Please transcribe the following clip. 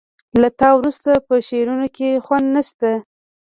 له تا وروسته په شعرونو کې خوند نه شته